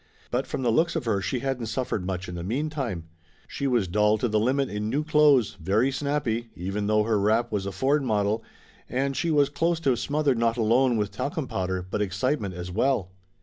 But from the looks of her she hadn't suffered much in the meantime. She was dolled to the limit in new clothes, very snappy, even though her wrap was a Ford model, and she was close to smothered not alone with talcum powder but excitement as well.